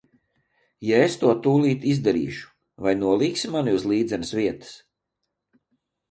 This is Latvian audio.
Ja es to tūlīt izdarīšu, vai nolīgsi mani uz līdzenas vietas?